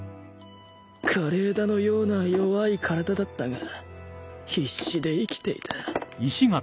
枯れ枝のような弱い体だったが必死で生きていた